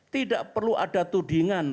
tidak perlu ada tudingan